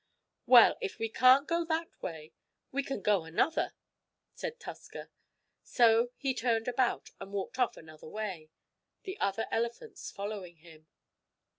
"Well, if we can't go that way we can go another," said Tusker. So he turned about, and walked off another way, the other elephants following him.